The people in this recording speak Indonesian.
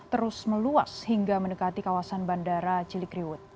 terus meluas hingga mendekati kawasan bandara cilikriwut